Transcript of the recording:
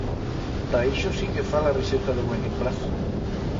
Ta ixo sí que fa la riseta de buen implaz.